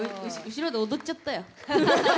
後ろで踊っちゃったよ。